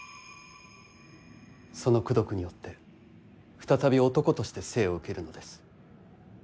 その功徳によって再び男として生を受けるのです。